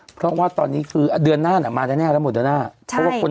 เพราะว่าตอนนี้คือเดือนหน้าน่ะมาแน่แล้วหมดเดือนหน้าเพราะว่าคน